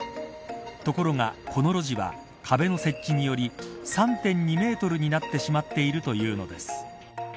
ところが、この路地は壁の設置により３．２メートルになってしまっているというのです。